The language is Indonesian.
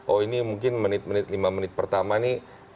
oh ini mungkin menit menit lima menit pertama nih